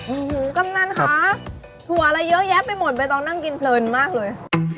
โอ้โหกำนันค่ะถั่วอะไรเยอะแยะไปหมดใบตองนั่งกินเพลินมากเลย